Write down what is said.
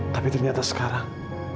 tapi ternyata sekarang